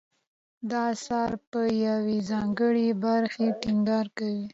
دا اثر په یوې ځانګړې برخې ټینګار کوي.